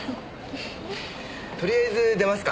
とりあえず出ますか。